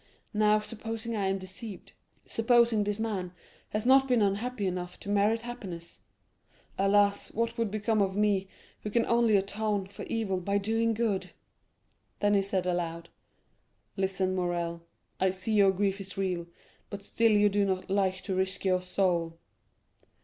Now, supposing I am deceived, supposing this man has not been unhappy enough to merit happiness. Alas, what would become of me who can only atone for evil by doing good?" 50271m Then he said aloud: "Listen, Morrel, I see your grief is great, but still you do not like to risk your soul."